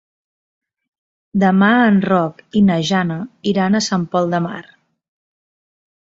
Demà en Roc i na Jana iran a Sant Pol de Mar.